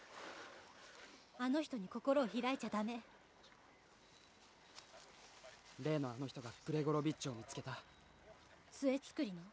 あの人に心を開いちゃダメ例のあの人がグレゴロビッチを見つけた杖作りの？